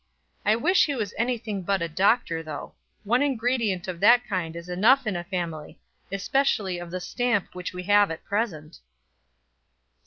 I wish he was anything but a doctor, though; one ingredient of that kind is enough in a family, especially of the stamp which we have at present."